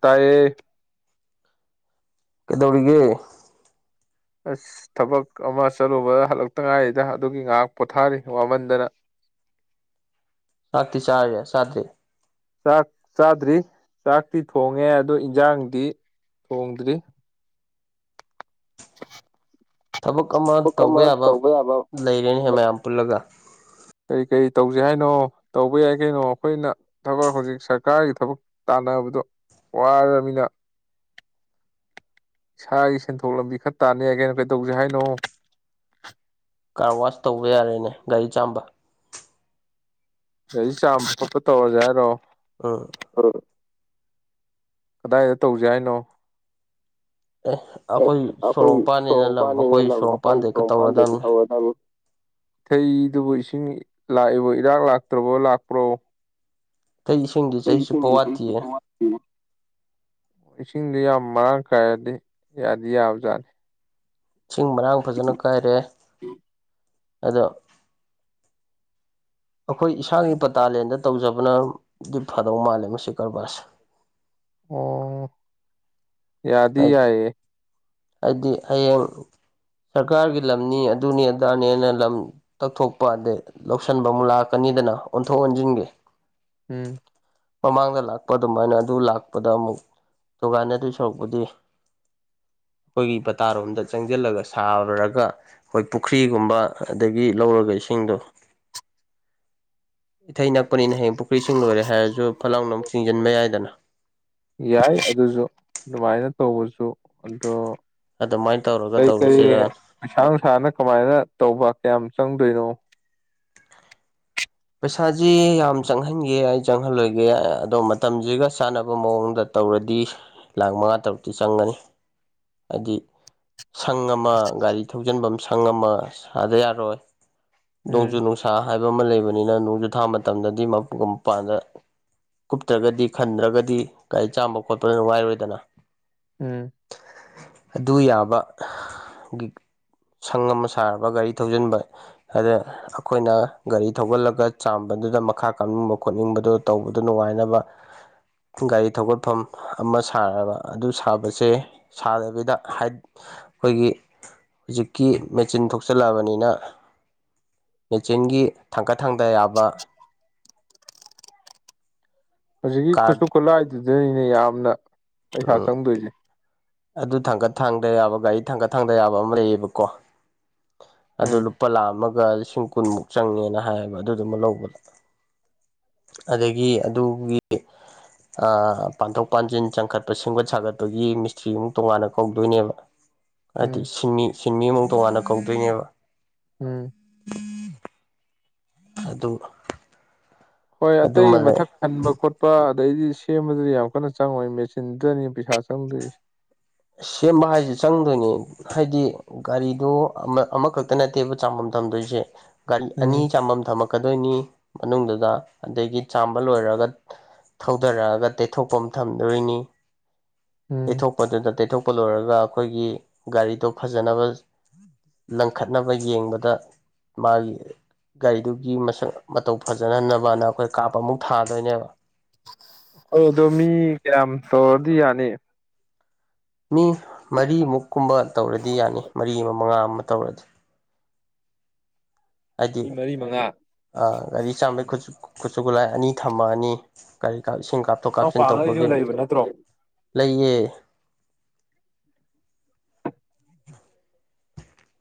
ꯇꯥꯏꯌꯦ ꯀꯩꯗꯧꯔꯤꯒꯦ ꯑꯁ ꯊꯕꯛ ꯑꯃ ꯆꯠꯂꯨꯕ ꯍꯜꯂꯛꯇ ꯉꯥꯏꯔꯤꯗ ꯑꯗꯨꯒꯤ ꯉꯥꯏꯍꯥꯛ ꯄꯣꯊꯥꯔꯤ ꯋꯥꯃꯟꯗꯅ ꯆꯥꯛꯇꯤ ꯆꯥꯔꯕꯣ ꯆꯥꯗ꯭ꯔꯤ ꯆꯥꯛ ꯆꯥꯗ꯭ꯔꯤ ꯆꯥꯛꯇꯤ ꯊꯣꯡꯉꯦ ꯑꯗꯣ ꯏꯟꯖꯥꯡꯗꯤ ꯊꯣꯡꯗ꯭ꯔꯤ ꯊꯕꯛ ꯑꯃ ꯇꯧꯕ ꯌꯥꯕ ꯂꯩꯔꯦꯅꯍꯦ ꯃꯌꯥꯝ ꯄꯨꯜꯂꯒ ꯀꯔꯤ ꯀꯔꯤ ꯇꯧꯖꯦ ꯍꯥꯏꯅꯣ ꯇꯧꯕ ꯌꯥꯏ ꯀꯩꯅꯣ ꯑꯩꯈꯣꯏꯅ ꯊꯕꯛ ꯍꯧꯖꯤꯛ ꯁꯔꯀꯥꯔꯒꯤ ꯊꯕꯛ ꯇꯥꯟꯅꯕꯗꯣ ꯋꯥꯔꯕꯅꯤꯅ [inaudible] ꯏꯁꯥꯒꯤ ꯁꯦꯟꯊꯣꯛ ꯂꯝꯕꯤ ꯈꯔ ꯇꯥꯟ ꯌꯥꯏ ꯀꯩꯅꯣ ꯀꯩꯗꯧꯁꯦ ꯍꯥꯏꯅꯣ ꯀꯥꯔ ꯋꯥꯁ ꯇꯧꯕ ꯌꯥꯔꯦꯅꯦ ꯒꯥꯔꯤ ꯆꯥꯝꯕ ꯒꯥꯔꯤ ꯆꯥꯝꯕ ꯈꯣꯠꯄ ꯇꯧꯔꯁꯦ ꯍꯥꯏꯔꯣ ꯑꯥ ꯑ ꯀꯗꯥꯏꯗ ꯇꯧꯁꯦ ꯍꯥꯏꯅꯣ [unintelligible] ꯑꯦ ꯑꯩꯈꯣꯏ ꯁꯣꯔꯣꯡꯄꯥꯟꯅꯤꯅ ꯁꯣꯔꯣꯛ ꯂꯝ ꯄꯥꯟꯅꯤꯅ [unintelligible] ꯑꯩꯈꯣꯏ ꯁꯣꯔꯣꯡꯄꯥꯟꯗ ꯍꯦꯛꯇ ꯁꯣꯔꯣꯛ [unintelligible] ꯇꯧꯔꯗꯕꯅꯤ ꯇꯧꯔꯗꯕꯅꯤ [unintelligible] ꯗꯨꯕꯨ ꯏꯁꯤꯡ ꯂꯥꯛꯏꯕꯣ ꯏꯔꯥꯛ ꯂꯥꯛꯇ꯭ꯔꯕꯣ ꯂꯥꯛꯄ꯭ꯔꯣ ꯑꯩ ꯏꯁꯤꯡꯗꯤ ꯆꯍꯤ ꯆꯨꯞꯄ ꯋꯥꯠꯇꯤꯌꯦ [unintelligible] ꯏꯁꯤꯡꯗꯨ ꯌꯥꯝ ꯃꯔꯥꯡ ꯀꯥꯏꯔꯗꯤ ꯌꯥꯗꯤ ꯌꯥꯕꯖꯥꯠꯅꯤ ꯏꯁꯤꯡ ꯃꯔꯥꯡ ꯐꯖꯅ ꯀꯥꯏꯔꯦ ꯑꯗꯣ ꯑꯩꯈꯣꯏ ꯏꯁꯥꯒꯤ ꯄꯇꯥꯂꯦꯟꯗ ꯇꯧꯖꯕꯅꯗꯤ ꯐꯗꯧ ꯃꯥꯜꯂꯦ ꯃꯁꯤ ꯀꯔꯕꯥꯔꯁꯦ ꯑꯣ ꯌꯥꯗꯤ ꯌꯥꯏꯌꯦ ꯍꯥꯏꯗꯤ ꯍꯌꯦꯡ ꯁꯔꯀꯥꯔꯒꯤ ꯂꯝꯅꯤ ꯑꯗꯨꯅꯤ ꯑꯗꯥꯅꯦꯅ ꯂꯝ ꯇꯛꯊꯣꯛꯄ ꯑꯗꯩ ꯂꯧꯁꯤꯟꯕ ꯑꯃꯨꯛ ꯂꯥꯛꯀꯅꯤꯗꯅ ꯑꯣꯟꯊꯣꯛ ꯑꯣꯟꯁꯤꯟꯒꯦ ꯎꯝ ꯃꯃꯥꯡꯗ ꯂꯥꯛꯄ ꯑꯗꯨꯃꯥꯏꯅ ꯑꯗꯨ ꯂꯥꯛꯄꯗ ꯑꯃꯨꯛ ꯅꯨꯡꯉꯥꯏ ꯅꯗꯣꯏ ꯁꯔꯨꯛꯄꯨꯗꯤ ꯑꯩꯈꯣꯏꯒꯤ ꯄꯇꯥꯔꯣꯝꯗ ꯆꯪꯁꯤꯜꯂꯒ ꯁꯥꯔꯨꯔꯒ ꯑꯩꯈꯣꯏ ꯄꯨꯈ꯭ꯔꯤꯒꯨꯝꯕ ꯑꯗꯒꯤ ꯂꯧꯔꯒ ꯏꯁꯤꯡꯗꯣ ꯏꯊꯩ ꯅꯛꯄꯅꯤꯅ ꯍꯌꯦꯡ ꯄꯨꯈ꯭ꯔꯤ ꯏꯁꯤꯡ ꯂꯣꯏꯔꯦ ꯍꯥꯏꯔꯁꯨ ꯐꯠꯂꯥꯎꯅ ꯑꯃꯨꯛ ꯆꯤꯡꯁꯤꯟꯕ ꯌꯥꯏꯗꯅ ꯌꯥꯏ ꯑꯗꯨꯁꯨ ꯑꯗꯨꯃꯥꯏꯅ ꯇꯧꯕꯁꯨ ꯑꯗꯣ ꯑꯗꯨꯃꯥꯏꯅ ꯇꯧꯔꯒ ꯀꯔꯤ ꯀꯔꯤ ꯇꯧꯔꯁꯤꯔꯥ ꯄꯩꯁꯥ ꯅꯨꯡꯁꯥꯅ ꯀꯃꯥꯏꯅ ꯇꯧꯕ ꯀꯌꯥꯝ ꯆꯪꯗꯣꯏꯅꯣ ꯄꯩꯁꯥꯁꯤ ꯌꯥꯝ ꯆꯪꯍꯟꯒꯦ ꯌꯥꯏ ꯆꯪꯍꯜꯂꯣꯏꯒꯦ ꯑꯗꯣ ꯃꯇꯝꯁꯤꯒ ꯆꯥꯟꯅꯕ ꯃꯑꯣꯡꯗ ꯇꯧꯔꯗꯤ ꯂꯥꯛ ꯃꯉꯥ ꯇꯔꯨꯛꯇꯤ ꯆꯪꯒꯅꯤ ꯍꯥꯏꯗꯤ ꯁꯪ ꯑꯃ ꯒꯥꯔꯤ ꯊꯧꯖꯤꯟꯕꯝ ꯁꯪ ꯑꯃ ꯁꯥꯗ ꯌꯥꯔꯣꯏ ꯅꯣꯡꯖꯨ ꯎꯝ ꯅꯨꯡꯁꯥ ꯁꯥ ꯍꯥꯏꯕ ꯑꯃ ꯂꯩꯕꯅꯤꯅ ꯅꯨꯡꯖꯨ ꯊꯥ ꯃꯇꯝꯗꯗꯤ [unintelligible] ꯃꯄꯥꯟꯒ ꯀꯨꯞꯇ꯭ꯔꯒꯗꯤ ꯈꯟꯗ꯭ꯔꯒꯗꯤ ꯒꯥꯔꯤ ꯆꯥꯝꯕ ꯈꯣꯠꯄ ꯅꯨꯡ ꯉꯥꯏꯔꯣꯏꯗꯅ ꯎꯝ ꯑꯗꯨ ꯌꯥꯕ ꯁꯪ ꯑꯃ ꯁꯥꯔꯕ ꯒꯥꯔꯤ ꯊꯧꯖꯤꯟꯕ ꯑꯗ ꯑꯩꯈꯣꯏꯅ ꯒꯥꯔꯤ ꯊꯧꯒꯠꯂꯒ ꯆꯥꯝꯕꯗꯨꯗ ꯃꯈꯥ ꯀꯥꯞꯅꯤꯡꯕ ꯈꯣꯠꯅꯤꯡꯕꯗꯣ ꯇꯧꯕꯗ ꯅꯨꯡꯉꯥꯏꯅꯕ ꯒꯥꯔꯤ ꯊꯧꯒꯠꯐꯝ ꯑꯃ ꯁꯥꯔꯕ ꯑꯗꯨ ꯁꯥꯕꯁꯦ ꯁꯥꯗꯕꯤꯗ ꯑꯩꯈꯣꯏꯒꯤ ꯍꯧꯖꯤꯛꯀꯤ ꯃꯦꯆꯤꯟ ꯊꯣꯛꯆꯜꯂꯛꯑꯕꯅꯤꯅ ꯃꯦꯆꯤꯟꯒꯤ ꯊꯥꯡꯀꯠ ꯊꯥꯡꯗ ꯌꯥꯕ ꯍꯧꯖꯤꯛꯀꯤ ꯀꯥꯔꯠ ꯈꯨꯠꯁꯨ ꯈꯨꯠꯂꯥꯏꯗꯨꯗꯅꯤꯅꯦ ꯌꯥꯝꯅ ꯄꯩꯁꯥ ꯎꯝ ꯆꯪꯗꯣꯏꯁꯦ ꯑꯗꯨ ꯊꯥꯡꯀꯠ ꯊꯥꯡꯗ ꯌꯥꯕ ꯒꯥꯔꯤ ꯊꯥꯡꯀꯠ ꯊꯥꯡꯗ ꯌꯥꯕ ꯑꯃ ꯂꯩꯌꯦꯕꯀꯣ ꯑꯗꯨ ꯎꯝ ꯂꯨꯄꯥ ꯂꯥꯛ ꯑꯃꯒ ꯂꯤꯁꯤꯡ ꯀꯨꯟꯃꯨꯛ ꯆꯪꯉꯦꯅ ꯍꯥꯏꯌꯦꯕ ꯑꯗꯨ ꯗꯨꯃ ꯂꯧꯕꯗ ꯑꯗꯒꯤ ꯑꯗꯨꯒꯤ ꯑꯥ ꯄꯥꯟꯊꯣꯛ ꯄꯥꯟꯁꯤꯟ ꯆꯪꯈꯠ ꯑꯄ ꯁꯦꯝꯒꯠ ꯁꯥꯒꯠꯄꯒꯤ ꯃꯤꯁꯇ꯭ꯔꯤ ꯑꯃꯨꯛ ꯇꯣꯉꯥꯟꯅ ꯀꯧꯗꯣꯏꯅꯦꯕ ꯍꯥꯏꯗꯤ ꯎꯝ ꯁꯤꯟꯃꯤ ꯁꯤꯟꯃꯤ ꯑꯃꯨꯛ ꯇꯣꯉꯥꯟꯅ ꯀꯧꯗꯣꯏꯅꯦꯕ ꯎꯝ ꯑꯗꯨ ꯍꯣꯏ ꯑꯇꯩ ꯑꯗꯨꯃ ꯂꯩ ꯃꯊꯛ ꯈꯟꯕꯥ ꯈꯣꯠꯄ ꯑꯗꯩꯗꯤ ꯁꯦꯝꯕꯗꯨꯗꯤ ꯌꯥꯝ ꯀꯟꯅ ꯆꯪꯉꯣꯏ ꯃꯦꯆꯤꯟꯗꯅꯤ ꯄꯩꯁꯥ ꯆꯪꯗꯣꯏꯁꯦ ꯁꯦꯝꯕ ꯍꯥꯏꯁꯤ ꯆꯪꯗꯣꯏꯅꯤ ꯍꯥꯏꯗꯤ ꯒꯥꯔꯤꯗꯨ ꯑꯃꯈꯛꯇ ꯅꯠꯇꯦꯕ ꯆꯥꯝꯕꯝ ꯊꯝꯗꯣꯏꯁꯦ ꯒꯥꯔꯤ ꯑꯅꯤ ꯎꯝ ꯆꯥꯝꯕꯝ ꯊꯝꯃ ꯂꯥꯛꯀꯗꯣꯏꯅꯤ ꯃꯅꯨꯡꯗꯨꯗ ꯑꯗꯒꯤ ꯆꯥꯝꯕ ꯂꯣꯏꯔꯒ ꯊꯧꯗꯔꯛꯑꯒ ꯇꯩꯊꯣꯛꯐꯝ ꯊꯝꯗꯣꯏꯅꯤ ꯎꯝ ꯇꯩꯊꯣꯛꯄꯗꯨꯗ ꯇꯩꯊꯣꯛꯄ ꯂꯣꯏꯔꯒ ꯑꯩꯈꯣꯏꯒꯤ ꯒꯥꯔꯤꯗꯣ ꯐꯖꯅꯕ ꯂꯪꯈꯠꯅꯕ ꯌꯦꯡꯕꯗ ꯃꯥꯒꯤ ꯒꯥꯔꯤꯗꯨꯒꯤ ꯃꯁꯛ ꯃꯇꯧ ꯐꯖꯅꯍꯟꯅꯕꯅ ꯑꯩꯈꯣꯏ ꯀꯥꯞꯄ ꯑꯃꯨꯛ ꯊꯥꯗꯣꯏꯅꯦꯕ ꯑ ꯑꯗꯣ ꯃꯤ ꯀꯌꯥꯝ ꯇꯧꯔꯗꯤ ꯌꯥꯅꯤ ꯃꯤ ꯃꯔꯤꯃꯨꯛ ꯀꯨꯝꯕ ꯇꯧꯔꯗꯤ ꯌꯥꯅꯤ ꯃꯔꯤ ꯑꯃ ꯃꯉꯥ ꯑꯃ ꯇꯧꯔꯗꯤ ꯍꯥꯏꯗꯤ ꯃꯤ ꯃꯔꯤ ꯃꯉꯥ ꯒꯥꯔꯤ ꯆꯥꯝꯃꯩ ꯈꯨꯠꯁꯨ ꯈꯨꯠꯂꯥꯏ ꯑꯅꯤ ꯊꯝꯃꯛꯑꯅꯤ ꯀꯔꯤ ꯀꯥ ꯏꯁꯤꯡ ꯀꯥꯞꯊꯣꯛ ꯀꯥꯞꯁꯤꯟ ꯅꯅꯥꯎꯄꯥꯉꯩꯁꯨ ꯇꯧꯕꯒꯤ ꯂꯩꯕ ꯅꯠꯇ꯭ꯔꯣ ꯂꯩꯌꯦ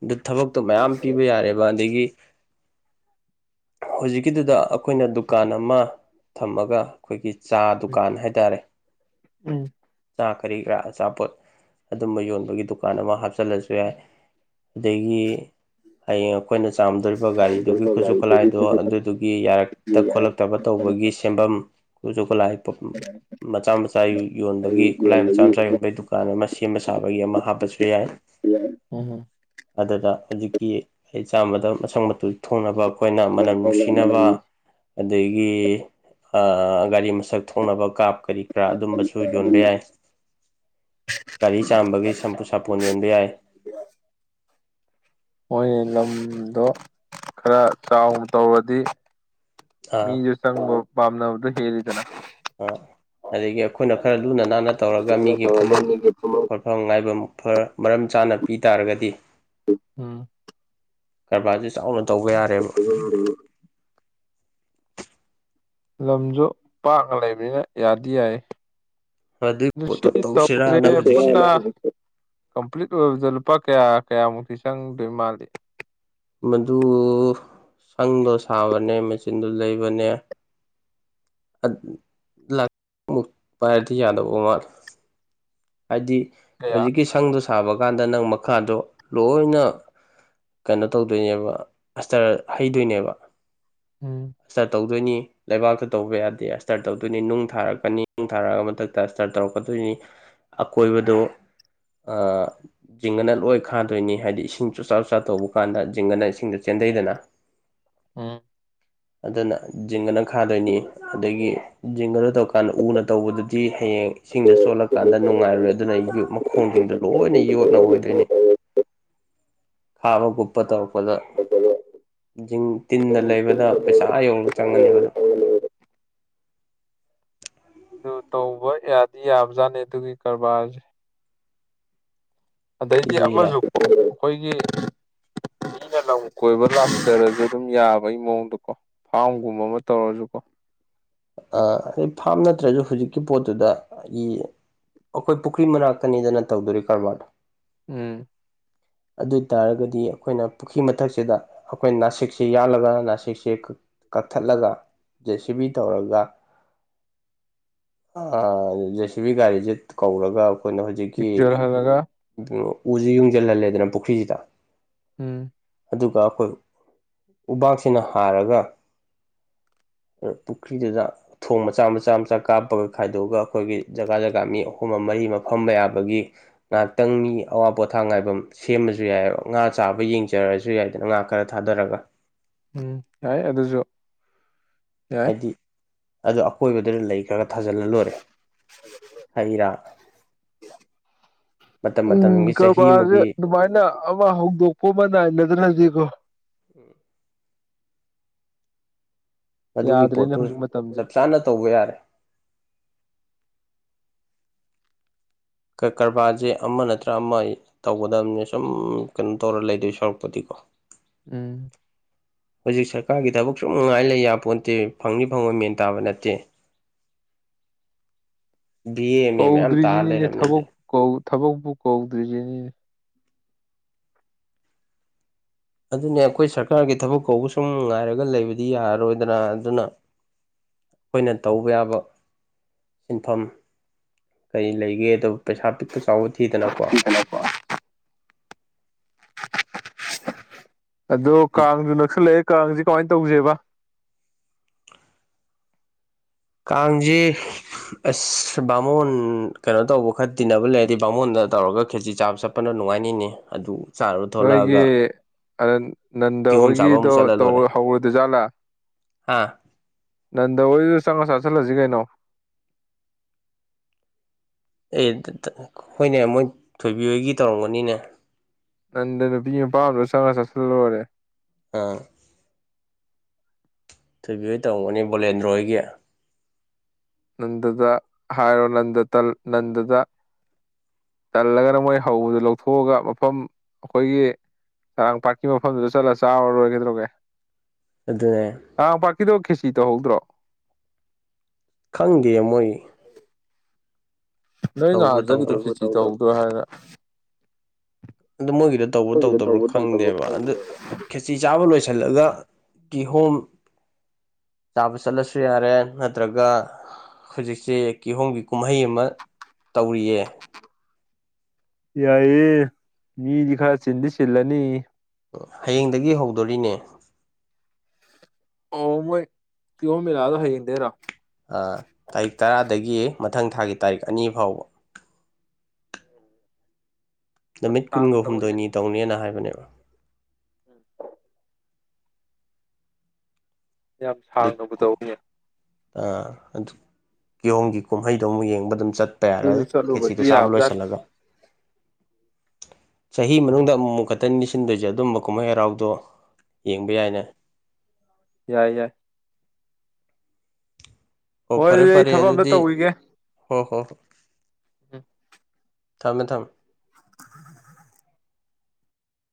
ꯑꯗꯨ ꯊꯕꯛꯇꯣ ꯃꯌꯥꯝ ꯄꯤꯕ ꯌꯥꯔꯦꯕ ꯑꯗꯒꯤ ꯍꯧꯖꯤꯛꯀꯤꯗꯨꯗ ꯑꯩꯈꯣꯏꯅ ꯗꯨꯀꯥꯟ ꯑꯃ ꯊꯝꯃꯒ ꯑꯩꯈꯣꯏꯒꯤ ꯆꯥ ꯗꯨꯀꯥꯟ ꯍꯥꯏꯇꯥꯔꯦ ꯎꯝ ꯆꯥ ꯀꯔꯤ ꯀꯔꯥ ꯑꯆꯥꯄꯣꯠ ꯑꯗꯨꯝꯕ ꯌꯣꯟꯕꯒꯤ ꯗꯨꯀꯥꯟ ꯑꯃ ꯍꯥꯞꯆꯜꯂꯁꯨ ꯌꯥꯏ ꯑꯗꯒꯤ ꯍꯌꯦꯡ ꯑꯩꯈꯣꯏꯅ ꯆꯥꯝꯗꯣꯔꯤꯕ ꯒꯥꯔꯤꯗꯨꯒꯤ ꯈꯨꯠꯁꯨ ꯈꯨꯠꯂꯥꯏꯗꯣ ꯑꯗꯨꯗꯨꯒꯤ ꯌꯥꯔꯛꯇ ꯈꯣꯠꯂꯛꯇꯕ ꯇꯧꯕꯒꯤ ꯁꯦꯝꯐꯝ ꯈꯨꯁꯨ ꯈꯨꯠꯂꯥꯏ ꯃꯆꯥ ꯃꯆꯥ ꯌꯣꯟꯕꯒꯤ ꯈꯨꯠꯂꯥꯏ ꯃꯆꯥ ꯃꯆꯥ ꯌꯣꯟꯕꯩ ꯗꯨꯀꯥꯟ ꯑꯃ ꯁꯦꯝꯕ ꯁꯥꯕꯒꯤ ꯑꯃ ꯍꯥꯞꯄꯁꯨ ꯌꯥꯏ [unintelligible] ꯑꯗꯨꯗ ꯍꯧꯖꯤꯛꯀꯤ ꯑꯩ ꯆꯥꯝꯕꯗ ꯃꯁꯛ ꯃꯇꯨ ꯊꯣꯡꯅꯕ ꯑꯩꯈꯣꯏꯅ ꯃꯅꯝ ꯅꯨꯡꯁꯤꯅꯕ ꯑꯗꯒꯤ ꯒꯥꯔꯤ ꯃꯁꯛ ꯊꯣꯡꯅꯕ ꯀꯥꯞ ꯀꯔꯤ ꯀꯔꯥ ꯑꯗꯨꯝꯕꯁꯨ ꯌꯣꯟꯕ ꯌꯥꯏ ꯒꯥꯔꯤ ꯆꯥꯔꯝꯕꯒꯤ ꯁꯝꯄꯨ ꯁꯥꯄꯣꯟ ꯌꯣꯟꯕ ꯌꯥꯏ [inaudible] ꯃꯣꯏ ꯂꯝꯗꯣ ꯈꯔ ꯆꯥꯎꯅ ꯇꯧꯔꯗꯤ ꯑꯥ ꯃꯤꯁꯨ ꯆꯪꯕ ꯄꯥꯝꯅꯕꯗꯨ ꯍꯦꯜꯂꯤꯗꯅ ꯑꯗꯒꯤ ꯑꯩꯈꯣꯏꯅ ꯈꯔ ꯂꯨꯅ ꯅꯥꯟꯅ ꯇꯧꯔꯒ ꯃꯤꯒꯤ ꯐꯃꯐꯝ ꯈꯣꯠ ꯐꯪ ꯉꯥꯏꯕ ꯃꯔꯝ ꯆꯥꯅ ꯄꯤ ꯇꯥꯔꯒꯗꯤ ꯑꯝ ꯀꯔꯕꯥꯔꯁꯦ ꯆꯥꯎꯅ ꯇꯧꯕ ꯌꯥꯔꯦꯕ [inaudible] ꯂꯝꯁꯨ ꯄꯥꯛꯅ ꯂꯩꯕꯅꯤꯅ ꯌꯥꯗꯤ ꯌꯥꯏꯌꯦ ꯑꯗꯨꯏ ꯑꯗꯨ ꯄꯣꯠꯇꯨ ꯇꯧꯁꯦ ꯇꯧꯁꯤꯔꯅ ꯍꯧꯖꯤꯛꯁꯦ ꯄꯨꯟꯅ ꯀꯝꯄ꯭ꯂꯤꯠ ꯑꯣꯏꯕꯗ ꯂꯨꯄꯥ ꯀꯌꯥ ꯀꯌꯥꯃꯨꯛꯇꯤ ꯆꯪꯗꯣꯏ ꯃꯥꯜꯂꯤ ꯃꯗꯨ ꯁꯪꯗꯣ ꯁꯥꯕꯅꯦ ꯃꯦꯆꯤꯟꯗꯣ ꯂꯩꯕꯅꯦ ꯑꯗ [unintelligible] ꯄꯥꯏꯔꯗꯤ ꯌꯥꯗꯧꯕ ꯃꯥꯥꯜꯂꯦ ꯍꯥꯏꯗꯤ ꯀꯌꯥ ꯍꯧꯖꯤꯛꯀꯤ ꯁꯪꯗꯣ ꯁꯥꯕ ꯀꯥꯟꯗ ꯅꯪ ꯃꯈꯥꯗꯣ ꯂꯣꯏꯅ ꯀꯩꯅꯣ ꯇꯧꯗꯣꯏꯅꯦꯕ ꯑꯁꯇꯔ ꯍꯩꯗꯣꯏꯅꯦꯕ ꯎꯝ ꯑꯇ ꯇꯧ ꯑꯗꯨꯅꯤ ꯂꯩꯕꯥꯛꯇ ꯇꯧꯕ ꯌꯥꯗꯦ ꯑꯁꯇꯔ ꯇꯧꯗꯣꯏꯅꯤ ꯅꯨꯡ ꯊꯥꯔꯛꯀꯅꯤ ꯅꯨꯡ ꯊꯥꯔꯛꯑꯒ ꯃꯊꯛꯇ ꯑꯁꯇꯔ ꯇꯧꯔꯛꯀꯗꯣꯏꯅꯤ ꯑꯀꯣꯏꯕꯗ ꯖꯤꯡꯒꯅ ꯂꯣꯏ ꯈꯥꯗꯣꯏꯅꯤ ꯍꯥꯏꯗꯤ ꯏꯁꯤꯡ ꯆꯣꯆꯥ ꯆꯣꯆꯥꯥ ꯇꯧꯕ ꯀꯥꯟꯗ ꯖꯤꯡꯒꯅ ꯏꯁꯤꯡꯗ ꯆꯦꯟꯊꯩꯗꯅ ꯑꯟꯑꯣꯗꯤꯕꯜ ꯑꯝ ꯑꯗꯨꯅ ꯖꯤꯡꯒꯅ ꯈꯥꯗꯣꯏꯅꯤ ꯑꯗꯨꯗꯒꯤ ꯖꯤꯡꯒꯗ ꯇꯧꯔꯀꯥꯟꯗ ꯎꯅ ꯇꯧꯕꯗꯨ ꯗꯤ ꯍꯌꯦꯡ ꯏꯁꯤꯡꯗ ꯆꯣꯠꯂꯀꯥꯟꯗ ꯅꯨꯡꯉꯥꯏꯔꯣꯏ ꯑꯗꯨꯅ ꯑꯩꯒꯤ ꯃꯈꯣꯡꯁꯤꯡꯗꯣ ꯂꯣꯏꯅ ꯌꯣꯠꯅ ꯑꯣꯏꯗꯣꯏꯅꯤ ꯈꯥꯕ ꯀꯨꯞꯄ ꯇꯧꯔꯛꯄꯗ ꯖꯤꯡ ꯇꯤꯟꯅ ꯂꯩꯕꯗ ꯄꯩꯁꯥ ꯑ ꯌꯧꯅ ꯆꯪꯉꯅꯦꯕ ꯑꯗꯣ ꯑꯗꯨ ꯇꯧꯕ ꯌꯥꯗꯤ ꯌꯥꯕꯖꯥꯠꯅꯤ ꯑꯗꯨꯒꯤ ꯀꯔꯕꯥꯔꯁꯦ ꯑꯗꯩꯗꯤ ꯁꯤꯁꯦ ꯌꯥꯏ ꯑꯃꯁꯨꯀꯣ ꯑꯩꯈꯣꯏꯒꯤ ꯃꯤꯅ ꯂꯝ ꯀꯣꯏꯕ ꯂꯥꯥꯛꯆꯔꯁꯨ ꯑꯗꯨꯝ ꯌꯥꯕꯒꯤ ꯃꯑꯣꯡꯗꯀꯣ ꯐꯥꯝꯒꯨꯝꯕ ꯑꯃ ꯇꯧꯔꯁꯨꯀꯣ ꯑ ꯑꯩ ꯐꯥꯝ ꯅꯠꯇ꯭ꯔꯁꯨ ꯍꯧꯖꯤꯛꯀꯤ ꯄꯣꯠꯇꯨꯗꯒꯤ ꯑꯩꯈꯣꯏ ꯄꯨꯈ꯭ꯔꯤ ꯃꯅꯥꯛꯀꯅꯤꯗꯅ ꯇꯧꯗꯣꯔꯤ ꯀꯔꯕꯥꯔꯗꯣ ꯎꯝ [inaudible] ꯑꯗꯨ ꯇꯥꯔꯒꯗꯤ ꯑꯩꯈꯣꯏꯅ ꯄꯨꯈ꯭ꯔꯤ ꯃꯊꯛꯁꯤꯗ ꯑꯩꯈꯣꯏꯅ ꯅꯥꯁꯤꯛꯁꯦ ꯌꯥꯜꯂꯒ ꯅꯥꯁꯤꯛꯁꯦ ꯀꯛꯊꯠꯂꯒꯥ ꯖꯦꯁꯤꯕꯤ ꯇꯧꯔꯒ ꯑ ꯖꯦ ꯁꯤꯕꯤ ꯒꯥꯔꯤꯁꯦ ꯀꯧꯔꯒ ꯑꯩꯈꯣꯏꯅ ꯍꯧꯖꯤꯛꯀꯤ ꯌꯨꯝꯖꯜꯍꯜꯂꯒ ꯎꯁꯤ ꯌꯨꯡꯁꯤꯜꯍꯜꯂꯦꯗꯅ ꯄꯨꯈ꯭ꯔꯤꯁꯤꯗ ꯎꯝ ꯑꯗꯨꯒ ꯑꯩꯈꯣꯏ ꯎꯕꯥꯛꯁꯤꯅ ꯍꯥꯔꯒ ꯄꯨꯈ꯭ꯔꯤꯗꯨꯗ ꯎ ꯊꯣꯡ ꯃꯆꯥ ꯃꯆꯥ ꯃꯆꯥ ꯀꯥꯞꯄꯒ ꯈꯥꯏꯗꯣꯛꯑꯒ ꯑꯩꯈꯣꯏꯒꯤ ꯖꯒꯥ ꯖꯒꯥ ꯃꯤ ꯑꯍꯨꯝ ꯃꯔꯤꯃ ꯐꯝꯕ ꯌꯥꯕꯒꯤ ꯉꯥꯏꯍꯥꯛꯇꯪ ꯃꯤ ꯑꯋꯥ ꯄꯣꯊꯥ ꯉꯥꯏꯕꯝ ꯁꯦꯝꯃꯁꯨ ꯌꯥꯏꯑꯕ ꯉꯥ ꯆꯥꯕ ꯌꯦꯡꯖꯔꯁꯨ ꯌꯥꯏꯗꯅ ꯉꯥ ꯈꯔ ꯊꯥꯗꯔꯒ ꯎꯝ ꯌꯥꯏ ꯑꯗꯨꯁꯨ ꯌꯥꯏ ꯍꯥꯏꯗꯤ ꯑꯗꯨ ꯑꯀꯣꯏꯕꯗꯨꯗ ꯂꯩ ꯈꯔꯒ ꯊꯥꯖꯤꯜꯂ ꯂꯣꯏꯔꯦ ꯍꯩꯔꯥ ꯎꯝ ꯀꯔꯕꯥꯁꯦ ꯑꯃꯒꯤ ꯑꯗꯨꯃꯥꯏꯅ ꯑꯃ ꯍꯧꯗꯣꯛꯄ ꯑꯃ ꯅꯥꯏꯅꯗꯅꯗꯤꯀꯣ ꯑꯗꯨꯒꯤ ꯌꯥꯗ꯭ꯔꯦꯅꯦ ꯄꯣꯠꯇꯨ ꯍꯧꯖꯤꯛ ꯃꯇꯝꯁꯦ ꯆꯞ ꯆꯥꯅ ꯇꯧꯕ ꯌꯥꯔꯦ ꯀꯔ ꯀꯔꯕꯥꯔꯁꯦ ꯑꯃ ꯅꯠꯇ꯭ꯔ ꯑꯃ ꯇꯧꯒꯗꯕꯅꯦ ꯁꯨꯝ ꯀꯩꯅꯣ ꯇꯧꯔ ꯂꯩꯗꯣꯏ ꯁꯔꯨꯛꯄꯗꯤꯀꯣ ꯎꯝ ꯍꯧꯖꯤꯛ ꯁꯔꯀꯥꯔꯒꯤ ꯊꯕꯛ ꯁꯨꯝ ꯅꯨꯡꯉꯥꯏ ꯂꯩ ꯌꯥꯕ ꯄꯣ ꯅꯠꯇꯦ ꯐꯪꯗꯤ ꯐꯪꯉꯣꯏ ꯃꯦꯟ ꯇꯥꯕ ꯅꯠꯇꯦ ꯕꯤ ꯑꯦ ꯑꯦꯝ ꯑꯦ ꯃꯌꯥꯝ ꯇꯥꯔ ꯀꯧꯗ꯭ꯔꯤꯁꯤꯅꯤꯅꯦ ꯂꯩꯔꯕꯅꯦ ꯊꯕꯛ ꯍꯧꯖꯤꯛ ꯊꯕꯛꯄꯨ ꯀꯧꯗ꯭ꯔꯤꯁꯤꯅꯤꯅꯦ ꯑꯗꯨꯅꯦ ꯑꯩꯈꯣꯏ ꯁꯔꯀꯥꯔꯒꯤ ꯊꯕꯛ ꯀꯧꯕ ꯁꯨꯝ ꯉꯥꯏꯔꯒ ꯂꯩꯕꯗꯤ ꯌꯥꯔꯔꯣꯏꯗꯅ ꯑꯗꯨꯅ ꯑꯩꯈꯣꯏꯅ ꯇꯧꯕ ꯌꯥꯕ ꯁꯤꯟꯐꯝ ꯀꯔꯤ ꯂꯩꯒꯦ ꯑꯗꯨ ꯄꯩꯁꯥ ꯄꯤꯛꯄ ꯆꯥꯎꯕ ꯊꯤꯗꯅꯀꯣ ꯑꯗꯣ ꯀꯥꯡꯁꯨ ꯅꯛꯁꯨ ꯂꯩꯛꯑꯦ ꯀꯥꯡꯁꯦ ꯀꯃꯥꯏꯅ ꯇꯧꯁꯦꯕ ꯀꯥꯡꯖꯦ ꯑꯁ ꯕꯥꯃꯣꯟ ꯀꯩꯅꯣ ꯇꯧꯕ ꯈꯔ ꯇꯤꯟꯅꯕ ꯂꯩꯔꯗꯤ ꯕꯥꯃꯣꯟꯗ ꯇꯧꯔꯒ ꯈꯦꯖꯤ ꯆꯥꯕ ꯆꯞ ꯀꯟꯅ ꯅꯨꯡꯉꯥꯏꯅꯤꯅꯦ ꯑꯗꯨ ꯆꯥꯔꯨ ꯊꯣꯛꯂꯛꯑꯒ ꯑꯗꯥ ꯅꯟꯗꯥ ꯀꯤꯍꯣꯝ ꯆꯥꯕ ꯑꯃꯨꯛ ꯍꯣꯏꯒꯤꯗꯣ ꯇꯧ ꯍꯧꯑꯣꯏꯗꯖꯥꯠꯂꯥ ꯑꯥ ꯅꯟꯗꯥ ꯍꯣꯏꯗꯨ ꯆꯪꯉꯥ ꯆꯥꯁꯤꯜꯂꯥꯖꯤ ꯀꯩꯅꯣ ꯑꯦ ꯇꯠ-ꯇꯠ ꯍꯣꯏꯅꯦ ꯃꯣꯏ ꯊꯣꯏꯕꯤꯍꯣꯏꯒꯤ ꯇꯧꯔꯝꯒꯅꯤꯅꯦ ꯈꯟꯗꯅ ꯅꯨꯄꯤ ꯅꯨꯄꯥ ꯑꯃꯗꯣ ꯆꯪꯉ ꯆꯠꯁꯤꯜꯂꯨꯔꯦ ꯑꯥ ꯊꯣꯏꯕꯤꯍꯣꯏ ꯇꯧꯔꯝꯒꯅꯤ ꯕꯣꯂꯦꯟꯗ꯭ꯔꯣꯍꯣꯏꯒꯤ ꯅꯟꯗꯨꯗ ꯍꯥꯏꯔꯣ ꯅꯟꯗ ꯇꯜ ꯅꯟꯗꯗ ꯇꯜꯂꯒꯅ ꯃꯣꯏ ꯍꯧꯕꯗ ꯂꯧꯊꯣꯛꯑꯒ ꯃꯐꯝ ꯑꯩꯈꯣꯏꯒꯤ ꯆꯔꯥꯡ ꯄꯥꯠꯀꯤ ꯃꯐꯝꯗꯨꯗ ꯆꯠꯂꯥ ꯆꯥꯔꯨꯂꯥꯂꯣꯏꯔꯦ ꯀꯩꯗ꯭ꯔꯧꯔꯒꯦ ꯑꯗꯨꯅꯦ ꯆꯥꯔꯥꯡꯄꯥꯠꯀꯤꯗꯣ ꯈꯦꯆꯤ ꯇꯧꯍꯧꯗ꯭ꯔꯣ ꯈꯪꯗꯦ ꯃꯣꯏ ꯅꯣꯏ ꯇꯧꯕ꯭ꯔꯥ ꯉꯍꯥꯟ ꯆꯠꯂꯤꯗꯣ ꯇꯧꯗꯕ꯭ꯔꯥ ꯈꯦꯆꯤ ꯇꯧꯗ꯭ꯔꯣ ꯍꯥꯏꯔꯒ ꯑꯗꯨ ꯃꯣꯏꯒꯤꯗꯨ ꯇꯧꯕ꯭ꯔꯥ ꯑꯩꯈꯣꯏꯒꯤꯗ ꯇꯧꯗꯕ꯭ꯔꯥ ꯇꯧꯕ ꯇꯧꯗꯕ ꯈꯪꯗꯦꯕ ꯑꯗꯨ ꯈꯦ ꯆꯥꯕ ꯂꯣꯏꯁꯤꯜꯂꯒ ꯀꯤꯍꯣꯝ ꯆꯥꯕ ꯆꯠꯂꯁꯤ ꯌꯥꯔꯦ ꯅꯠꯇ꯭ꯔꯥꯒ ꯍꯧꯖꯤꯛꯁꯤ ꯀꯤꯍꯣꯝꯒꯤ ꯀꯨꯝꯍꯩ ꯑꯃ ꯇꯧꯔꯤꯌꯦ ꯌꯥꯏꯌꯦ ꯃꯤꯗꯤ ꯈꯔ ꯆꯤꯟꯗꯤ ꯆꯤꯜꯂꯅꯤ ꯍꯥꯌꯦꯡꯗꯒꯤ ꯍꯧꯗꯣꯔꯤꯅꯦ ꯑꯣ ꯃꯣꯏ ꯀꯤꯍꯣꯝ ꯃꯦꯂꯥꯗꯣ ꯍꯥꯌꯦꯡꯗꯩꯔꯣ ꯑꯥ ꯇꯥꯔꯤꯛ ꯇꯔꯥꯗꯒꯤ ꯃꯊꯪ ꯊꯥꯒꯤ ꯇꯥꯔꯤꯛ ꯑꯅꯤ ꯐꯥꯎꯕ ꯌꯥꯝ ꯅꯨꯃꯤꯠ ꯁꯥꯡꯅ ꯀꯨꯟꯒꯥ ꯇꯧꯋꯤꯅꯦ ꯍꯨꯝꯗꯣꯏꯅꯤ ꯇꯧꯅꯦꯅ ꯍꯥꯏꯕꯅꯦꯕ [inaudible] ꯌꯥꯝ ꯁꯥꯡꯅꯕꯨ ꯇꯧꯅꯦ ꯑꯥ ꯑꯗꯨ ꯀꯤꯍꯣꯝꯒꯤ ꯀꯨꯝꯍꯩꯗꯣ ꯑꯃꯨꯛ ꯌꯦꯡꯕ ꯑꯗꯨꯝ ꯆꯠ ꯌꯥꯔꯦ ꯑꯗꯨꯁꯨ ꯈꯦꯆꯤꯗꯣ ꯆꯠꯂꯨꯕꯗꯤ ꯆꯥꯕ ꯌꯥꯕꯖꯥꯠꯅꯤ ꯂꯣꯏꯁꯤꯜꯂꯒ ꯆꯍꯤ ꯃꯅꯨꯡꯗ ꯑꯃꯨꯛ-ꯑꯃꯨꯛ ꯈꯛꯇꯅꯤ ꯁꯤꯟꯗꯣꯏꯖꯦ ꯑꯗꯨꯝꯕ ꯀꯨꯝꯍꯩ ꯍꯔꯥꯎꯗꯣ ꯌꯦꯡꯕ ꯌꯥꯏꯅꯦ ꯌꯥꯏ-ꯌꯥꯏ ꯑꯣ ꯍꯣꯏ ꯑꯗꯨꯗꯤ ꯑꯩ ꯐꯥꯔꯦ-ꯐꯥꯔꯦ ꯊꯕꯛ ꯑꯝꯇ ꯑꯗꯨꯗꯤ ꯇꯧꯈꯤꯒꯦ ꯍꯣ-ꯍꯣ [inaudible] ꯊꯝꯃꯦ-ꯊꯝꯃꯦ [inaudible]